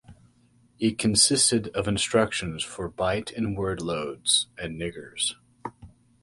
It consisted of instructions for byte and word loads and stores.